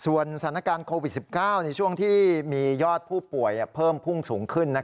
สถานการณ์โควิด๑๙ในช่วงที่มียอดผู้ป่วยเพิ่มพุ่งสูงขึ้น